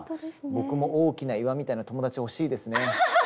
僕も大きな岩みたいな友達欲しいですね。ね？